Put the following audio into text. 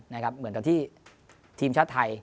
นะครับเหมือนกับที่ทีมชาติไทย